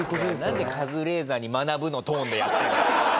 なんで『カズレーザーと学ぶ。』のトーンでやってるんだよ。